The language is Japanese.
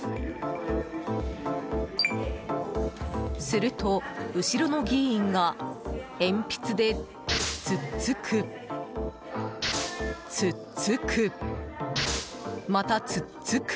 すると、後ろの議員が鉛筆で突っつく！